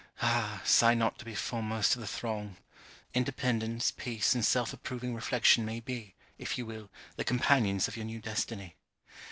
Ah, sigh not to be foremost of the throng! Independence, peace, and self approving reflection may be, if you will, the companions of your new destiny.